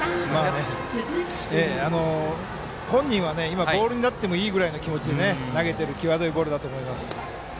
本人は今、ボールになってもいいぐらいの気持ちで投げてる際どいボールだと思います。